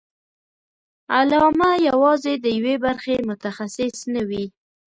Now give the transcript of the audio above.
علامه یوازې د یوې برخې متخصص نه وي.